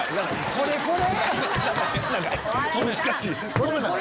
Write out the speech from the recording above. これこれ！